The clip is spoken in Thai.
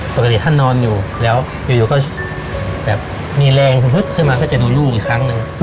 ปกติท่านนอนอยู่แล้วอยู่ก็แบบมีแรงฮึดขึ้นมาก็จะดูลูกอีกครั้งหนึ่ง